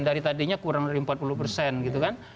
dari tadinya kurang dari empat puluh persen